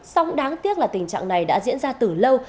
song đáng tiếc là tình trạng này đã diễn ra từ lâu